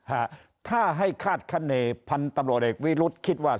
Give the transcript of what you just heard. ฮะถ้าให้คาดคณีพันธุ์ตำรวจเอกวิรุธคิดว่า